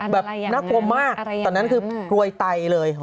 น่ากลัวมากตอนนั้นคือกรวยไตเลย